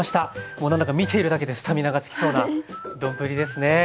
もう何だか見ているだけでスタミナがつきそうな丼ですね！